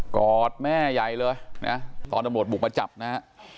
กอดแม่ใหญ่เลยนะตอนตำรวจบุกมาจับนะฮะ